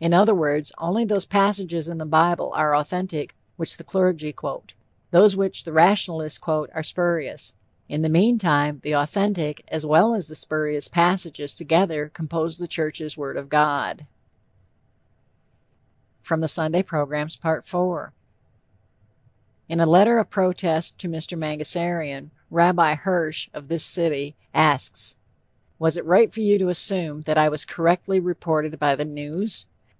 In other words, only those passages in the bible are authentic which the clergy quote; those which the rationalists quote are spurious. In the meantime, the authentic as well as the spurious passages together compose the churches' Word of God. IV In a letter of protest to Mr. Mangasarian, Rabbi Hirsch, of this city, asks: "Was it right for you to assume that I was correctly reported by the _News?"